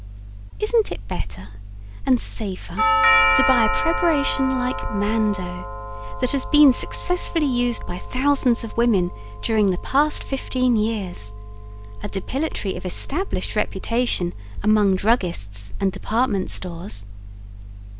Isn't it better and safer to buy a preparation like MANDO that has been successfully used by thousands of women during the past 15 years. A depilatory of established reputation among druggists and department stores.